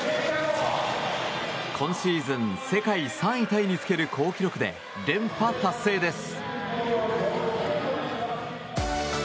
今シーズン世界３位タイにつける好記録で連覇達成です。